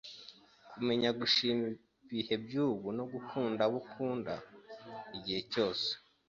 Kumenya gushima ibihe byubu no gukunda abo ukunda igihe cyose